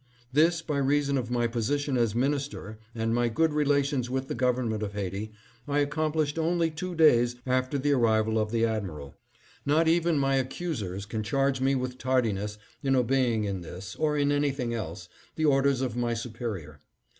This, by reason of my position as minister and my good relations with the government of Haiti, I accomplished only two days after the arrival of the admiral. Not even my accusers can charge me with tardiness in obeying in this, or in anything else, the orders of my superior.